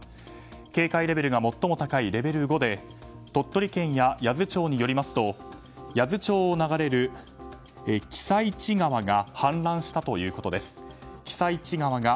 警戒レベルが最も高いレベル５で鳥取県や八頭町によりますと八頭町を流れる私都川が氾濫したということです。